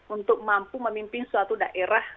untuk mampu memimpin suatu daerah